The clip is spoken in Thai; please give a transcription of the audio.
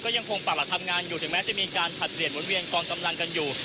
ก็ยังคงปรักหลักทำงานอยู่ถึงแม้จะมีการขัดเรียนวนเวียนพวกเป็นกำลังอยู่